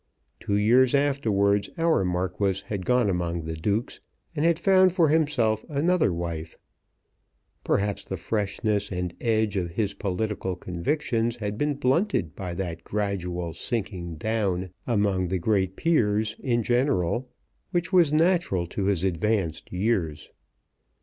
Two years afterwards our Marquis had gone among the dukes, and had found for himself another wife. Perhaps the freshness and edge of his political convictions had been blunted by that gradual sinking down among the great peers in general which was natural to his advanced years.